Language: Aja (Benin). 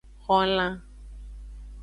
Xolan.